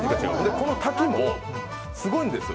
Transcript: この滝もすごいんですよ。